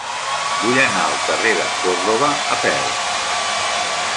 Vull anar al carrer de Còrdova a peu.